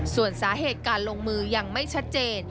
ส่วนสาเหตุการลงมือยังไม่ชัดเจน